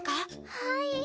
はい。